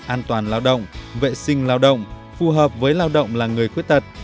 an toàn lao động vệ sinh lao động phù hợp với lao động là người khuyết tật